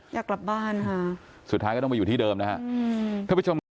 อยากกลับบ้านค่ะสุดท้ายก็ต้องมาอยู่ที่เดิมนะคะอื้อหือ